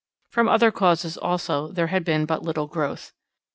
From other causes, also, there had been but little growth.